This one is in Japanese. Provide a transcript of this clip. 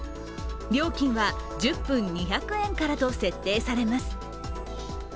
料金は１０分２００円からと設定されます。